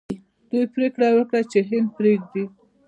دوی پریکړه وکړه چې هند پریږدي.